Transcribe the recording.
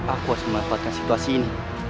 aku harus memanfaatkan situasi ini